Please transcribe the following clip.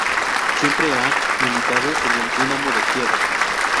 Siempre ha militado en el Dinamo de Kiev.